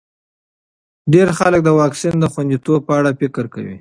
ډېر خلک د واکسین د خونديتوب په اړه فکر کوي.